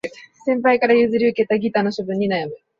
先輩から譲り受けたギターの処分に悩む